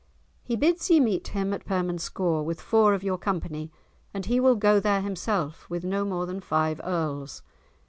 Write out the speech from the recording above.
"He bids ye meet him at Permanscore, with four of your company, and he will go there himself with no more than five Earls.